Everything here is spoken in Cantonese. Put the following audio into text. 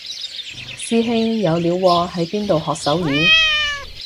師兄有料喎喺邊度學手語